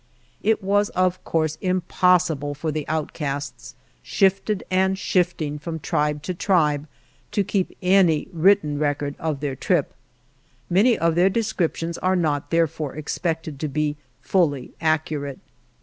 It was, of course, impossible for the outcasts, shifted and shifting from tribe to tribe, to keep any written record of their trip. Many of their descriptions are not, therefore, expected to be fully accurate.